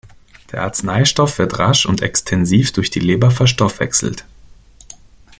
Der Arzneistoff wird rasch und extensiv durch die Leber verstoffwechselt.